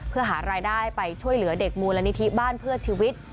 เพื่อหารายได้ไปช่วยเหลือเด็กมูลนิธิบ้านเพื่อชีวิต